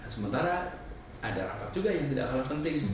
sementara ada rapat juga yang tidak hal hal penting